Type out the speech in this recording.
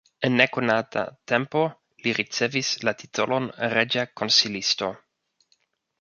En nekonata tempo li ricevis la titolon reĝa konsilisto.